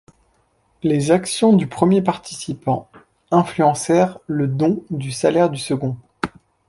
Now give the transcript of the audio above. Les actions du premier participant influencèrent le don du salaire du second.